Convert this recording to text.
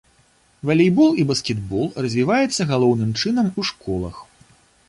Валейбол і баскетбол развіваецца галоўным чынам у школах.